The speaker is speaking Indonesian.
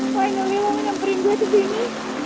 finally mau nyamperin gue disini